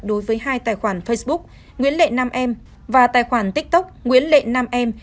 đối với hai tài khoản facebook nguyễn lệ nam em và tài khoản tiktok nguyễn lệ nam em